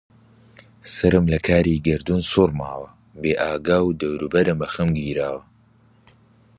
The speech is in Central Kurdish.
سەرم لە کاری گەردوون سوڕماوە بێئاگا و دەورم بە خەم گیراوە